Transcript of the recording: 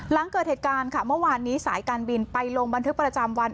หลังเกิดเหตุการณ์ค่ะเมื่อวานนี้สายการบินไปลงบันทึกประจำวัน